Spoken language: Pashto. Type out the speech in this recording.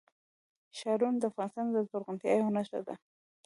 ښارونه د افغانستان د زرغونتیا یوه نښه ده.